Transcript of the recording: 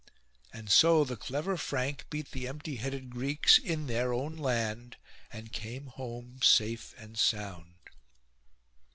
And so the clever Frank beat the empty headed Greeks in their own land and came home safe and sound.